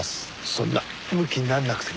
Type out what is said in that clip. そんなムキにならなくても。